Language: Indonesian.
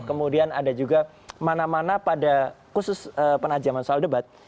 kemudian ada juga mana mana pada khusus penajaman soal debat